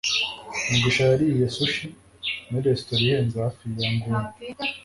mugisha yariye sushi muri resitora ihenze hafi yu nguni